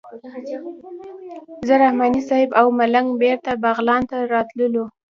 زه رحماني صیب او ملنګ بېرته بغلان ته راتللو.